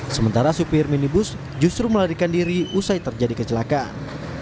sementara supir minibus justru melarikan diri usai terjadi kecelakaan